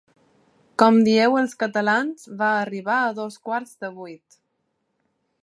Com dieu els catalans va arribar a dos quarts de vuit.